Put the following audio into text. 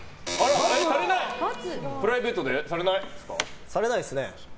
プライベートでされないですね。